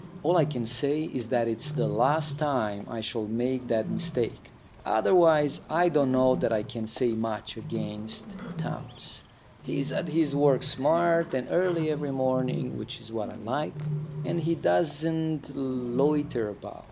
All I can say is that it's the last time I shall make that mistake. Otherwise I don't know that I can say much against Townes. He's at his work smart and early every morning, which is what I like; and he doesn't loiter about.